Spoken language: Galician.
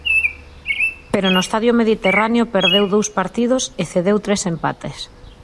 Pero no Estadio Mediterráneo perdeu dous partidos e cedeu tres empates.